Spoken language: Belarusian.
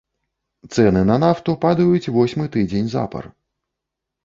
Цэны на нафту падаюць восьмы тыдзень запар.